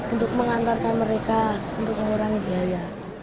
untuk mengantarkan mereka untuk mengurangi biaya